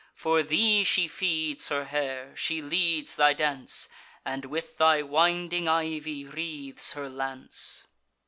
"For thee she feeds her hair, she leads thy dance, And with thy winding ivy wreathes her lance."